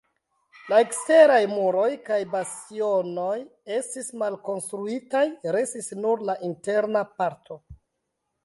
La eksteraj muroj kaj bastionoj estis malkonstruitaj, restis nur la interna parto.